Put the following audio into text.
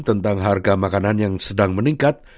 tentang harga makanan yang sedang meningkat